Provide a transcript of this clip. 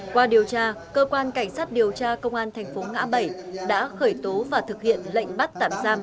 qua điều tra cơ quan cảnh sát điều tra công an thành phố ngã bảy đã khởi tố và thực hiện lệnh bắt tạm giam